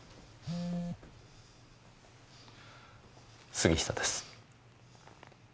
杉下です。